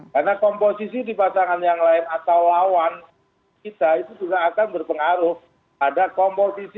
karena komposisi di pasangan yang lain atau lawan kita itu juga akan berpengaruh pada komposisi